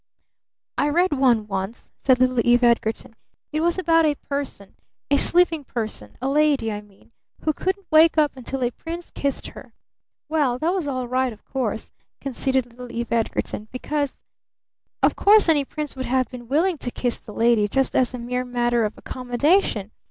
"I read one once," said little Eve Edgarton. "It was about a person, a sleeping person, a lady, I mean, who couldn't wake up until a prince kissed her. Well, that was all right, of course," conceded little Eve Edgarton, "because, of course, any prince would have been willing to kiss the lady just as a mere matter of accommodation.